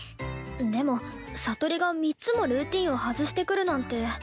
でも聡里が３つもルーティンを外してくるなんて。